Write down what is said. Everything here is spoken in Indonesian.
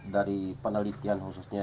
dari penelitian khususnya